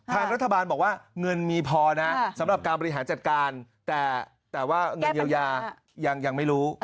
ทางรัฐบาลบอกว่าเงินมีพอนะสำหรับการบริหารจัดการแต่ว่าเงินเยียวยายังไม่รู้